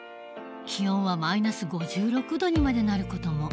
気温はマイナス５６度にまでなる事も。